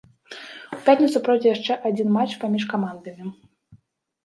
У пятніцу пройдзе яшчэ адзін матч паміж камандамі.